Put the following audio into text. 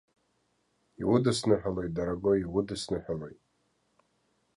Иудысныҳәалоит, дорогои, иудысныҳәалоит!